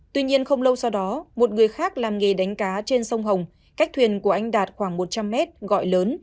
tuy nhiên không lâu sau đó một người khác làm nghề đánh cá trên sông hồng cách thuyền của anh đạt khoảng một trăm linh mét gọi lớn